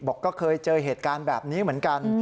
ก็เคยเจอเหตุการณ์แบบนี้เหมือนกัน